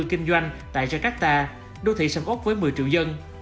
kinh doanh tại jakarta đô thị sầm úc với một mươi triệu dân